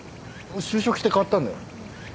就職して変わったんだよ。